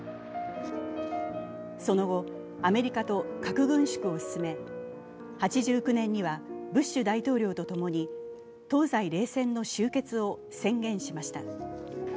その後、アメリカと核軍縮を進め、８９年にはブッシュ大統領と共に東西冷戦の終結を宣言しました。